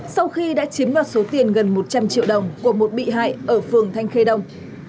sau khi đã chiếm đoạt số tiền gần một trăm linh triệu đồng của một bị hại ở phường thanh khê đông